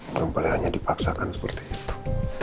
belum boleh hanya dipaksakan seperti itu